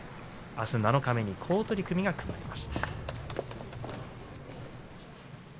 あす七日目に好取組が組まれました。